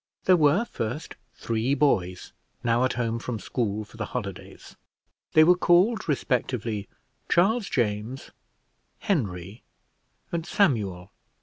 There were, first, three boys, now at home from school for the holidays. They were called, respectively, Charles James, Henry, and Samuel.